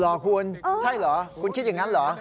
เหรอคุณใช่เหรอคุณคิดอย่างนั้นเหรอ